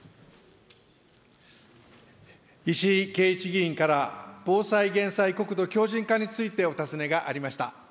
石井啓一議員から、防災・減災、国土強じん化についてお尋ねがありました。